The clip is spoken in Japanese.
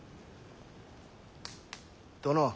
殿。